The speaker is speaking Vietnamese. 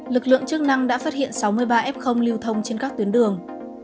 lực lượng chức năng đã phát hiện sáu mươi ba f lưu thông trên các tuyến đường